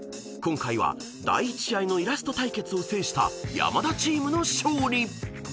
［今回は第１試合のイラスト対決を制した山田チームの勝利］